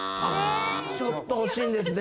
ちょっと惜しいんです。